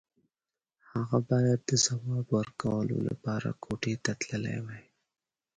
هغه بايد د ځواب ورکولو لپاره کوټې ته تللی وای.